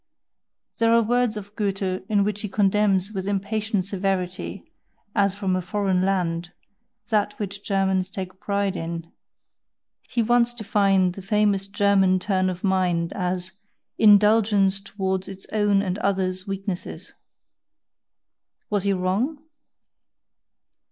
There are words of Goethe in which he condemns with impatient severity, as from a foreign land, that which Germans take a pride in, he once defined the famous German turn of mind as "Indulgence towards its own and others' weaknesses." Was he wrong?